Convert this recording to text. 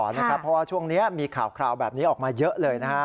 เพราะว่าช่วงนี้มีข่าวแบบนี้ออกมาเยอะเลยนะฮะ